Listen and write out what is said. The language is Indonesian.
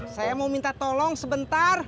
saya mau minta tolong sebentar